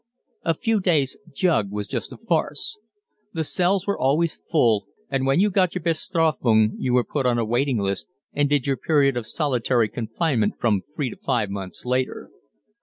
A few days' "jug" was just a farce. The cells were always full, and when you got your Bestrafung you were put on a waiting list and did your period of solitary confinement from three to five months later.